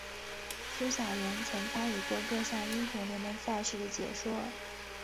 苏小妍曾参与过各项英雄联盟赛事的解说。